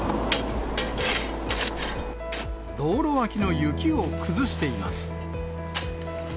道路脇の雪を崩しています。